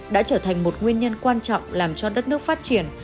đã trở thành một nguyên nhân quan trọng làm cho đất nước phát triển